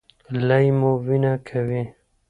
لۍ مو وینه کوي؟